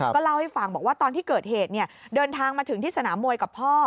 ก็เล่าให้ฟังบอกว่าตอนที่เกิดเหตุเดินทางมาถึงที่สนามมวยกับพ่อ